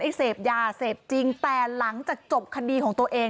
เสพยาเสพจริงแต่หลังจากจบคดีของตัวเอง